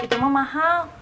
itu mah mahal